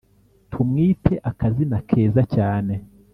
Tumwite akazina keza cyane